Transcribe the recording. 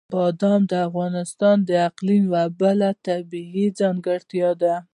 بادام د افغانستان د اقلیم یوه بله طبیعي ځانګړتیا ده.